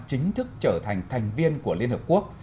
chính thức trở thành thành viên của liên hợp quốc